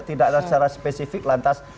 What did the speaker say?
tidak secara spesifik lantas